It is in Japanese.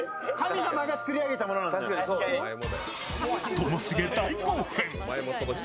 ともしげ大興奮。